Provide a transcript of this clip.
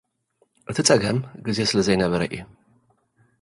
እቲ ጸገም፡ ግዜ ስለ ዘይነበረ እዩ።